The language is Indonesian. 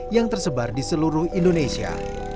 yang tersebar di seluruh indonesia